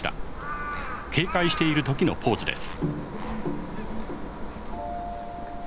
警戒している時のポーズです。